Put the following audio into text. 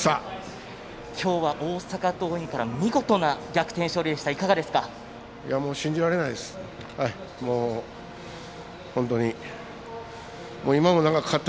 今日は大阪桐蔭から見事な逆転勝利でした。